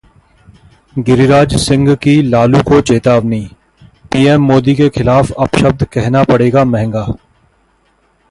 गिरिराज सिंह की लालू को चेतावनी, पीएम मोदी के खिलाफ अपशब्द कहना पड़ेगा महंगा